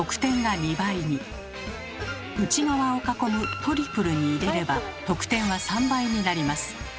内側を囲む「トリプル」に入れれば得点は３倍になります。